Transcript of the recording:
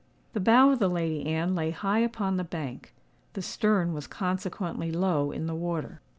The bow of the Lady Anne lay high upon the bank: the stern was consequently low in the water.